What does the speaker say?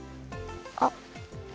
あっ。